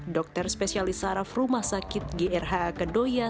dokter spesialis saraf rumah sakit grh kedoya